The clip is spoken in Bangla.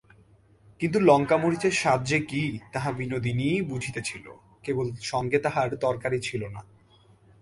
কিন্তু লঙ্কামরিচের স্বাদটা যে কী, তাহা বিনোদিনীই বুঝিতেছিল–কেবল সঙ্গে তাহার তরকারি ছিল না।